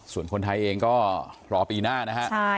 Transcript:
ส่วนคนไทยเองก็รอปีหน้านะฮะ